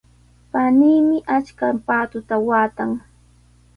Paniimi achka paatuta waatan.